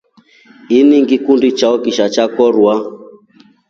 Ini ngikundi chao kishaa chakorwa.